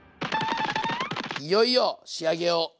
いよいよ仕上げを。